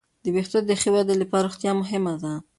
د وېښتو د ښې ودې لپاره روغتیا مهمه ده.